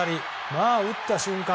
まあ打った瞬間